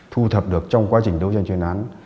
thu thập được trong quá trình đấu tranh chuyên án